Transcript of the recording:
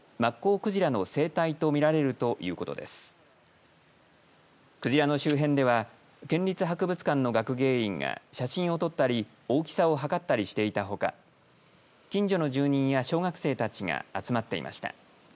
クジラの周辺では県立博物館の学芸員が写真を撮ったり大きさを測ったりしていたほか近所の住人や小学生たちが集まっていました。